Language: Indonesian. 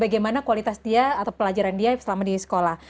bagaimana kualitas dia atau pelajaran dia selama di sekolah